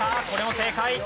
これも正解。